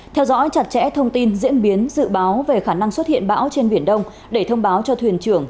theo dõi chặt chẽ thông tin diễn biến dự báo về khả năng xuất hiện bão trên biển đông để thông báo cho thuyền trưởng